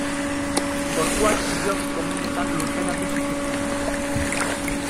Gorpuak hilobi komunetan lurperatu zituzten.